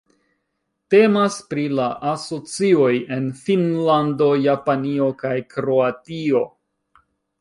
Temas pri la asocioj en Finnlando, Japanio kaj Kroatio.